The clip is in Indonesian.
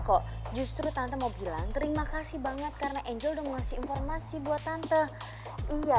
kok justru tante mau bilang terima kasih banget karena angel udah ngasih informasi buat tante iya